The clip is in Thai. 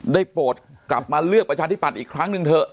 โปรดกลับมาเลือกประชาธิปัตย์อีกครั้งหนึ่งเถอะ